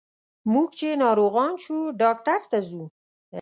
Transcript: موږ چې ناروغان شو ډاکټر ته ځو.